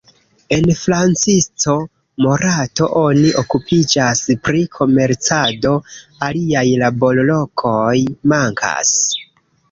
En Francisco Morato oni okupiĝas pri komercado, aliaj laborlokoj mankas.